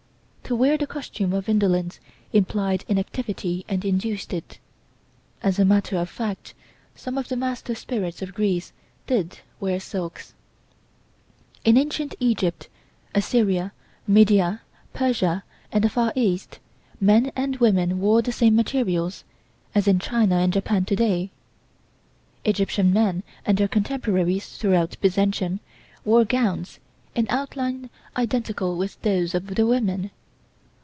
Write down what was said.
To wear the costume of indolence implied inactivity and induced it. As a matter of fact, some of the master spirits of Greece did wear silks. In Ancient Egypt, Assyria, Media, Persia and the Far East, men and women wore the same materials, as in China and Japan to day. Egyptian men and their contemporaries throughout Byzantium, wore gowns, in outline identical with those of the women.